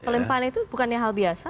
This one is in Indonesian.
limpahannya itu bukan hal biasa